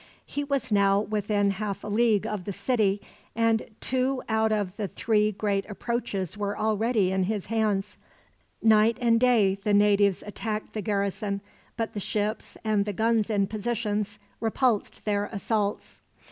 He was now within half a league of the city, and two out of the three great approaches were already in his hands. Night and day the natives attacked the garrison; but the ships, and the guns in positions, repulsed their assaults.